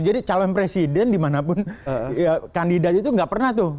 jadi calon presiden dimanapun kandidat itu gak pernah tuh